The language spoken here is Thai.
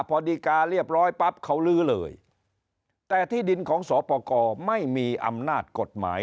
พอดีการเรียบร้อยปั๊บเขาลื้อเลยแต่ที่ดินของสปกรไม่มีอำนาจกฎหมาย